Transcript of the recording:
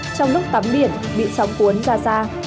trong lúc tắm biển bị sóng cuốn ra xa